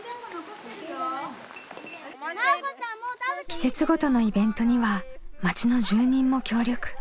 季節ごとのイベントには町の住人も協力。